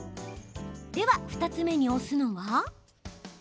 では２つ目に押すのは？